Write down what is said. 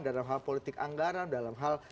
dalam hal politik anggaran dalam hal